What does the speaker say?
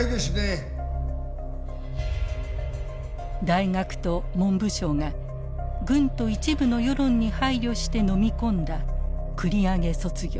大学と文部省が軍と一部の世論に配慮して飲み込んだ繰り上げ卒業。